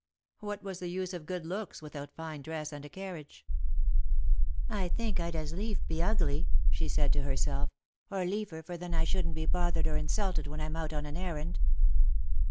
What was the use of good looks without fine dress and a carriage ?" I think I'd as lief be ugly," she said to herself, " or liefer, for then I shouldn't be bothered or insulted when I'm out on an errand."